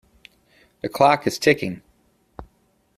The clock is ticking.